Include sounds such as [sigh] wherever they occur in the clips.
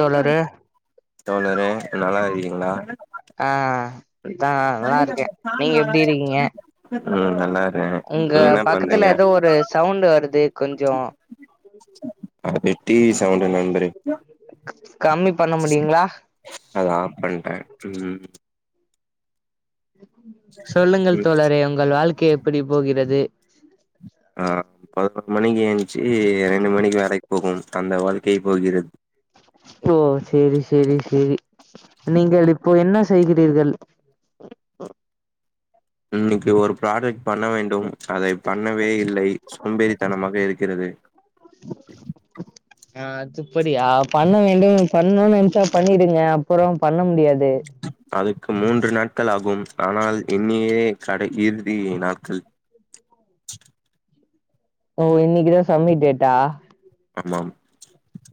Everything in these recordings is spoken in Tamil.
தோழரு தோழரே நல்லா இருக்கீங்களா ஆ ஆ நல்லாருக்கே நீங் எப்டி இருக்கீங்க ப்ரோ நல்லாருக் உங்க பக்கத்துல ஏதோ ஒரு சவுண்ட்டு வருது கொஞ்சோ அத போய் டி வி சவுண்ட்டு [unintelligible] கம்மி பண்ண முடியுங்ளா அத ஆப் பண்றே ம் சொல்லுங்கள் ம் தோழரே உங்கள் வாழ்க்கை எப்படி போகிறது ஆ பதனொரு மணிக் என்ச்சு ரெண்டு மணிக் வேலைக் போகுனு அந்த வாழ்க்கை [unintelligible] ஓ சேரி சேரி சேரி நீங்கள் இப்போ என்னா செய்கிறீர்கள் இன்னிக்கு ஒரு ப்ராடெக்ட் பண்ண வேண்டும் அதை பண்ணவே இல்லை சோம்பேறித்தனமாக இருக் கிறது [inaudible] ஆ சே சேரி ஆ பண்ண வேண்டும் பண்ணோனு நெனச்சா பண்ணிடுங்க அப்பறோ பண்ண முடியாது அதுக்கு மூன்று நாட்கள் ஆகும் ஆனால் என்னியே கடை இறுதி நாட்கள் [inaudible] ஓ இன்னைக்குதா சப்மிட் டேட்டா ஆமாம்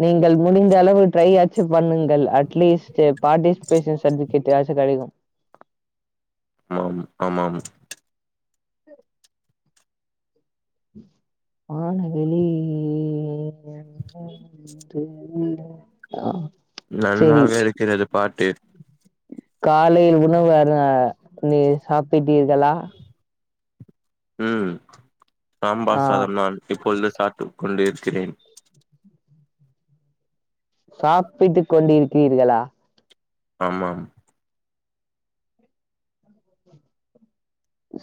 நீங்கள் முடிந்த அளவு ட்ரை ஆச்சு பண்ணுங்கள் அட்லீஸ்ட்டு பாடிஸ்பேஷன் சட்விகேட்டாச்சு கெடைக்கு [unintelligible] ஆமாம் வாணவெளி [inaudible] நல்லாவே இருக்கிறது பாட்டு காலையில் தினு யாரையு சாப்டிட்டீர்களா ம் ஆ சாம்பார் சாதம் நான் இப்பொழுது சாப்ட்டுக் கொண்டிருக்கிறேன் சாப்ட்டு கொண்டிருக்கீர்களா ஆமாாம்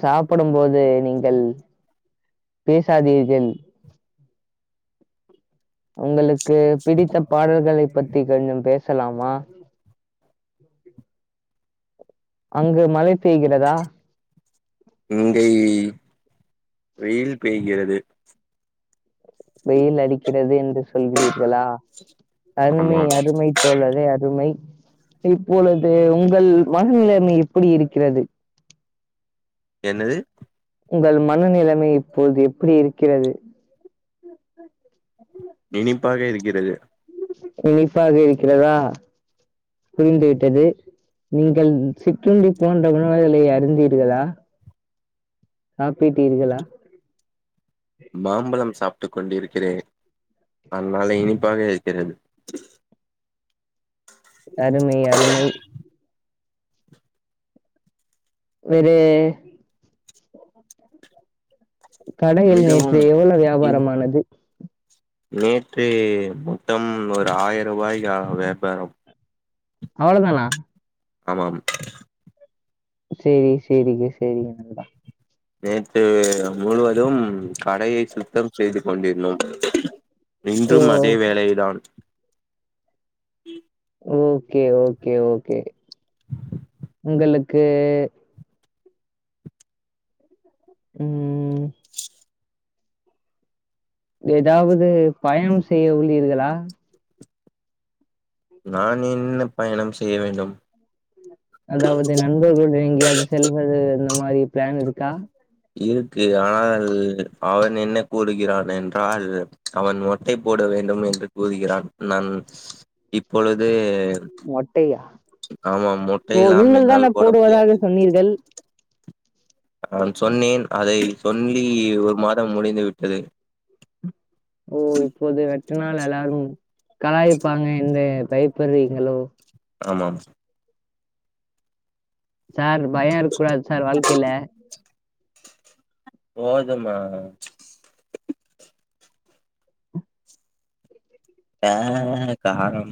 சாப்பிடும் போது நீங்கள் பேசாதீர்கள் உங்களுக்கு பிடித்த பாடல்களை பத்தி கொஞ்சோ பேசலாமா அங்கு மழை பெய்கிறதா இங்கை வெயில் பெய்கிறது வெயில் அடிக்கிறது என்று சொல்கிறீர்களா அருமை ஆமாம் அருமை தோழரே அருமை இப்பொழுது உங்கள் மனநிலைமை எப்படி இருக்கிறது என்னது உங்கள் மனநிலைமை இப்பபோது எப்படி இருக்கிறது இனிப்பாக இருக்கிறது இனிப்பாக இருக்கிறதா புரிந்துவிட்டது நீங்கள் சி்ண்ருன்டி போன்ற உணவுகளை அருந்தீர்களா சாப்பிட்டீர்களா மாம்பழம் சாப்பிட்டு கொண்டிருக்கிறேன் அதனால் இனிப்பாக இருக்கிறது அருமை அருமை வேறு கடையில் நேற்று மிகவும் எவ்வளவு இன் வியாபாரமானது நேற்று மொத்தம் ஒரு ஆயிரம் ரூபாய் வியாபாரம் அவ்வளோதானா ஆமாாம் சேரி சேரிங்க சேரிங்க நேற்று முழுவதும் கடையை சுத்தம் செய்து கொண்டிருந்தோம் ஓ இன்றும் அதே வேளைதான் ஓகே ஓகே ஓகே உங்களுக்கு ம் ஏதாவது பயணம் செய்ய உள்ளீர்களா நான் என்ன பயணம் செய்ய வேண்டும் அதாவது நண்பர்கள்ளோட எங்கேயாவது செல்வது அந்த மாதிரி பிளான் இருக்கா இருக்கு ஆனால் அவன் என்ன கூறுகிறான் என்றால் அவன் மொட்டை போட வேண்டும் என்று கூறுகிறான் நான் இப்பொழுதே மொட்டையா ஆமாம் மொட்டைல்லாம் என்னால் போட முடியாது ண்ணீர்கள் நான் சொன்னேன் அதை சொல்லி ஒரு மாதம் முடிந்து விட்டது ஓ இப்போது வெட்டுனாள் எல்லாரும் கலாயிப்பாங்க என்று பயப்படுறீங்களோ ஆமாம் சார் பயம் இருக்க கூடாது சார் வாழ்க்கையில போதுமா ஆ காரம்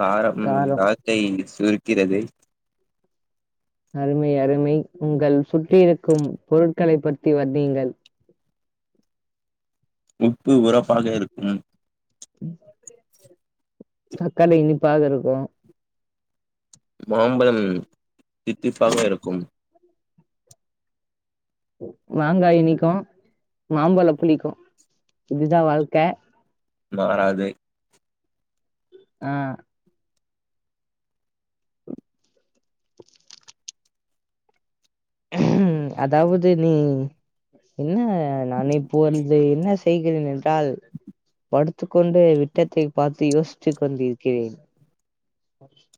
காரம் வார்த்தை சுருக்கிறது அருமை அருமை உங்கள் சுற்றியிருக்கும் பொருட்களை பற்றி வருணிங்கள் உப்பு உறப்பாக இருக்கும் தக்காளி இனிப்பாக இருக்கும் மாம்பழம் தித்திப்பாக இருக்கும் மாங்காய் இனிக்கும் மாம்பழம் புளிக்கும் இதுதான் வாழ்க்கை மாறாது ஆ [inaudible] அதாவது நீ என்ன நானு இப்போ வந்து என்ன செய்கிறேன் என்றால் படுத்துக்கொண்டு விட்டத்தை பார்த்து யோசித்துக் கொண்டிருக்கிறேன்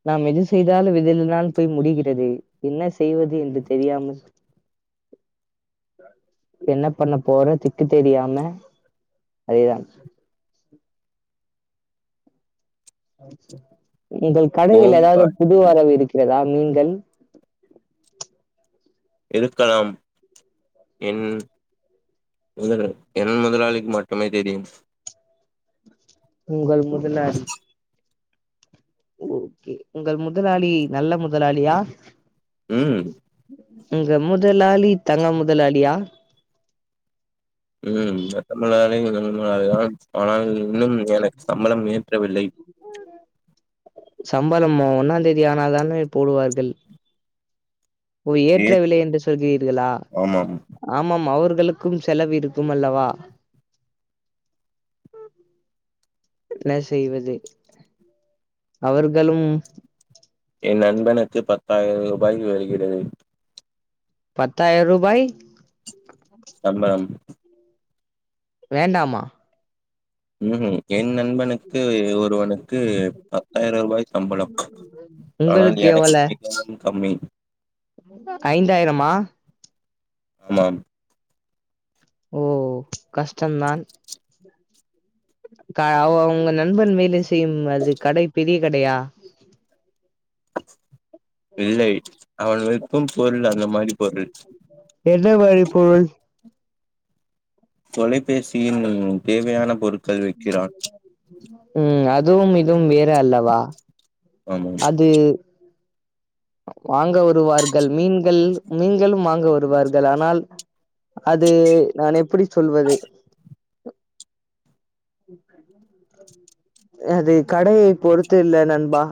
நாம் எது செய்தாலு விதலினால் போய் முடிகிறது என்ன செய்வது என்று தெரியாமல் என்ன பண்ண போற திக்கு தெரியாம அதேதா உங்கள் கடையில் ஏதாவது ஓங்கால் புதுவரவு இருக்கிறதா மீன்கள் இருக்கலாம் என் முதல என் முதலாளிக்கு மட்டுமே தெரியும் உங்கள் முதலாளி ஓகே உங்கள் முதலாளி நல்ல முதலாளியா ம் எங்க முதலாளி தங்க முதலாளியா ம் எந்த மொதலாளியு நல்ல மொதலாளி தா ஆனால் இன்னும் எனக்கு சம்பளம் ஏற்றவில்லை சம்பளம் ஒன்னாம் தேதி ஆனால்தானே போடுவார்கள் ஓ ஏ ஏற்றவில்லை என்று சொல்கிறீர்களா ஆமாம் ஆமாம் அவர்களுக்கும் செலவு இருக்கும் அல்லவா என்ன செய்வது அவர்களும் என் நண்பனுக்கு பத்தாயிரம் ரூபாய் வருகிறது பத்தாயிர ரூபாய் சம்பளம் வேண்டாமா ம் என் நண்பனுக்கு ஒருவனுக்கு பத்தாயிரம் ரூபாய் சம்பளம் ஆனால் உங்களுக்கு எனக்கு எவ்வள மிகவும் கம்மி ஐந்தாயிரமா ஆமாம் ஓ கஷ்டம்தான் க ஓ உங்க நண்பன் வேலை செய்யும் அது கடை பெரிய கடையா இல்லை அவன் விக்கும் பொருள் அந்த மாதிரி பொருள் எந்த மாரி பொருள் தொலைபேசியின் தேவையான பொருட்கள் விற்கிறான் ம் அதுவும் இதுவும் வேற அல்லவா ஆமாம் அது வாங்க வருவார்கள் மீன்கள் மீன்களும் வாங்க வருவார்கள் ஆனால் அது நான் எப்படி சொல்வது அது கடையை பொறுத்து இல்ல நண்பா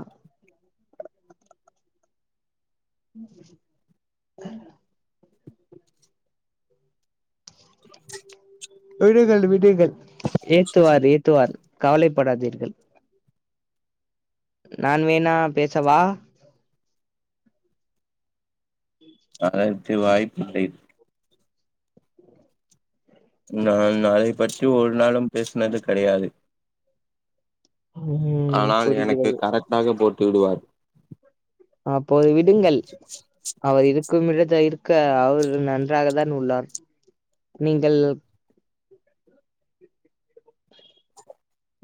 [unintelligible] விடுங்கள் விடுங்கள் ஏத்துவார் ஏத்துவார் கவலைப்படாதீர்கள் நான் வேணா பேசவா அதற்கு வாய்ப்பு இல்லை நான் அதை பற்றி ஒரு நாளும் பேசினது கிடையாது ம் ஆனால் எனக்கு புரிகிறது கரெக்டாக போட்டு விடுவார் அப்போது விடுங்கள் அவர் இருக்கும்மிடத்தை இருக்க அவர் நன்றாக தான் உள்ளார் நீங்கள்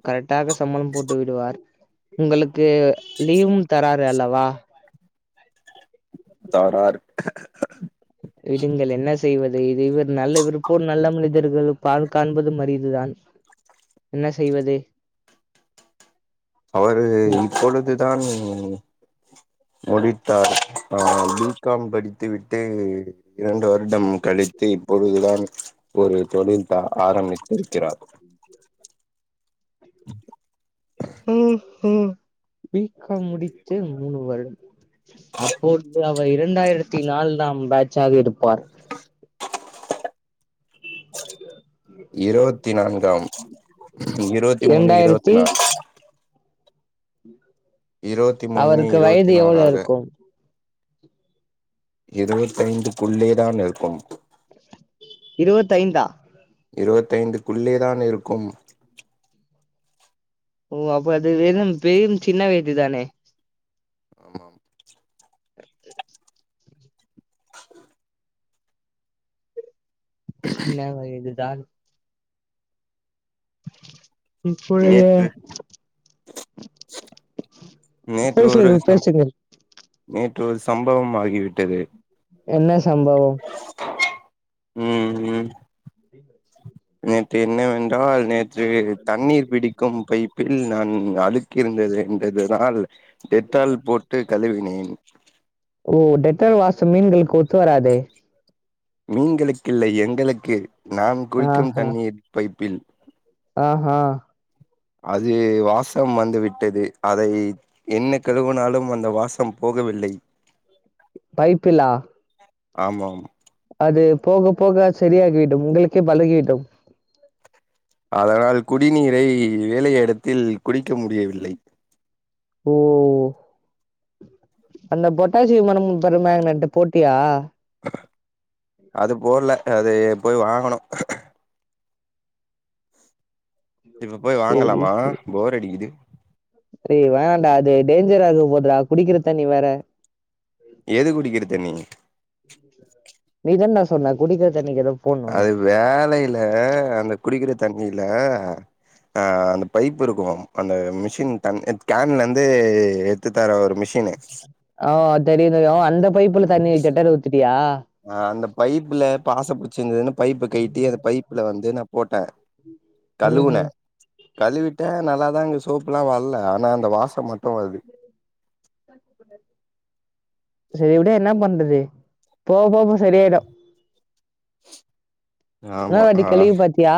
கரெக்டாக சம்பளம் போட்டு விடுவார் உங்களுக்கு லீவும் தராரு அல்லவா தறார் விடுங்கள் என்ன செய்வது இது இவர் நல்ல இருப்போர் நல்ல மனிதர்கள் பால் காண்பதும் அரிதுதான் என்ன செய்வது அவரு இப்பொழுதுதான் முடித்தார் ஆ பிகாம் படித்து விட்டு இரண்டு வருடம் கழித்து இப்பொழுதுதான் ஒரு தொழில்தா ஆரம்பித்திருக்கிறார் ம் ம் பி காம் முடித்து மூணு வருடம் அப்பொழுது அவர் இரண்டாயிரத்தி நாலாம் பேட்சாக இருப்பார் [unintelligible] இருவத்தி நான்காம் இருவத்தி மூணு இருவத்தி இரண்டாயிரத்தி நான்கு இருவத்தி மூணு அவருக்கு இருவத்தி வயது எவ்வளவு நாலாக இருக்கும் இருவத்தைந்துக்குள்ளே தான் இருக்கும் இருவத்தைந்தா இருவத்தைந்துக்குள்ளே தான் இருக்கும் ஓ அப்ப அது வெறும் பெயின் சின்ன வயதுதானே ஆமாம் கட் அடிச்சி சின்ன வயது தான் இப்பொழுது நேற்று நேற்று ஒரு பேசுங்கள் சம் பேசுங்கள் நேற்று ஒரு சம்பவம் ஆயி என்ன சம்பவம் ம் ம் நேற்று என்னவென்றால் நேற்று தண்ணீர் பிடிக்கும் பை பில் நான் அழுக்கிருந்தது என்பதுனால் டெட்டால் போட்டு கழுவினேன் ஓ டெட்டால் வாசம் மீன்களுக்கு ஒத்து வராதே மீன்களுக்கு இல்லை எங்களுக்கு நான் குளிக்கும் தண்ணீர் பைப்பில் ஆ ஹா அது வாசம் வந்து விட்டது அதை என்ன கழுவுனாலும் அந்த வாசம் போகவில்லை பைப்பிலா ஆமாம் அது போக போக சரியாகிவிடும் உங்களுக்கே பழகிவிடும் அதனால் குடிநீரை வேலை இடத்தில் குடிக்க முடியவில்லை ஓ அந்த பொட்டாசியம் பெருமங்கனேட்டு போட்டியா அது போட்ல அது போய் வாங்கணும் இப்ப போய் சரி வாங்கலாமா சரி போர் அடிக்குது டேய் வேண்டான்டா அது டேஞ்சர் ஆக போதுடா குடிக்கிற தண்ணி வேற எது குடிக்கிற தண்ணி நீதான்டா சொன்ன குடிக்கிற தண்ணிக்கு ஏதோ போடணுன்னு அது வேலைல அந்த குடிக்கிற தண்ணில ஆ அந்த பைப் இருக்கு அந்த மிஷின் கன் கேன்லந்து வித்தார ஒரு மிஷின்னு ஓ தெரியு தெரியு அந்த பைப்புல தண்ணி டெட்டால் ஊத்துட்டியா ஆ அந்த பைப்புல பாச புடிச்சிருந்துன்னு பைப்பை கைட்டி அந்த பைப்புல வந்து நா போட்டே ம் கழுவுனே ம் கழுவிட்டே நல்லாதா இங்க சோப்புல்லா வர்ல ஆனா அந்த வாசம் மட்டு வர்து [inaudible] சரி வுடு என்னா பண்றது போக போக போ சரியாயிடு ஆமா இன்னோர் வாட்டி ஆ கழுவி பாத்தியா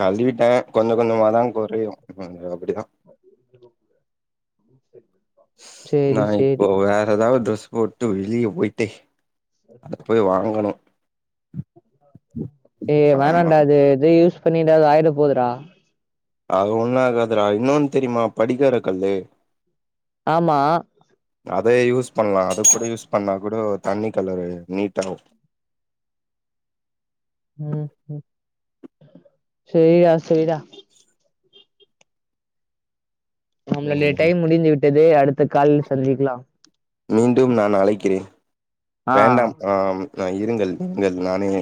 கழுவிட்டே கொஞ்ச கொஞ்சமாதா கொறையு அது அப்டிதா [unintelligible] நா சேரி சேரி இப்போ வேற ஏதாவ்து ட்ரெஸ் போட் வுட்டு வெளியே போயிட்டு அது போயி வாங்கணு ஏ ஆமா வேணாண்டா அது எது யூஸ் பண்ணி எதாவ்து ஆயிட போதுடா அது ஒண்ணு ஆகாதுடா இன்னொன் தெரிமா படிக்கார கல்லு ஆம்மா அதே யூஸ் பண்லா அது கூட யூஸ் பண்ணா கூட தண்ணி கலரு நீட்டாகு ம் சேரிடா சேரிடா நம்முடைய டைம் முடிந்து விட்டது அடுத்த காலில் சந்திக்லாம் மீண்டும் நான் அழைக்கிறேன் ஆ வேண்டாம் ஆ இருங்கள் நீங்கள் நானே